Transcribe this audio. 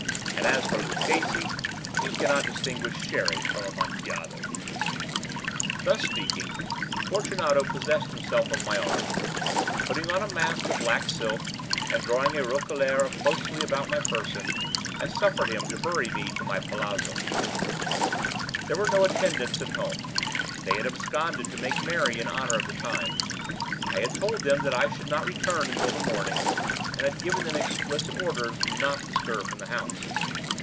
And as for Luchesi, he cannot distinguish Sherry from Amontillado." Thus speaking, Fortunato possessed himself of my arm. Putting on a mask of black silk, and drawing a roquelaire closely about my person, I suffered him to hurry me to my palazzo. There were no attendants at home; they had absconded to make merry in honor of the time. I had told them that I should not return until the morning, and had given them explicit orders not to stir from the house.